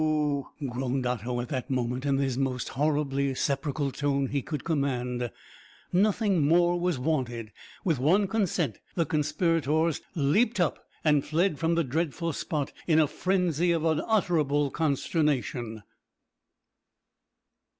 groaned Otto at that moment, in the most horribly sepulchral tone he could command. Nothing more was wanted. With one consent the conspirators leapt up and fled from the dreadful spot in a frenzy of unutterable consternation.